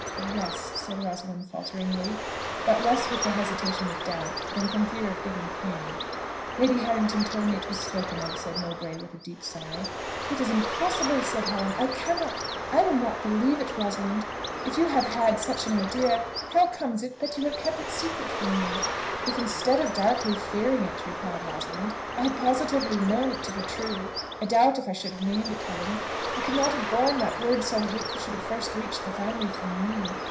"Yes," said Rosalind falteringly; but less with the hesitation of doubt, than from fear of giving pain. "Lady Harrington told me it was spoken of," said Mowbray with a deep sigh. "It is impossible!" said Helen, "I cannot: I will not believe it. Rosalind! if you have had such an idea, how comes it that you have kept it secret from me?" "If instead of darkly fearing it," replied Rosalind, "I had positively known it to be true, I doubt if I should have named it, Helen; I could not have borne that words so hateful should have first reached the family from me."